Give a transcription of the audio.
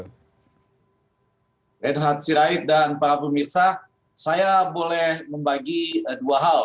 reinhard sirait dan para pemirsa saya boleh membagi dua hal